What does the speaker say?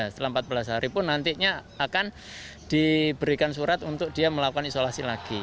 setelah empat belas hari pun nantinya akan diberikan surat untuk dia melakukan isolasi lagi